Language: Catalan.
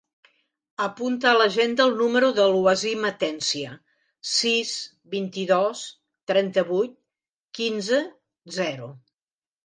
Apunta a l'agenda el número del Wasim Atencia: sis, vint-i-dos, trenta-vuit, quinze, zero.